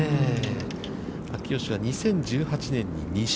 秋吉は２０１８年に２勝。